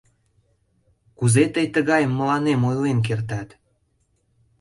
Кузе тый тыгайым мыланем ойлен кертат?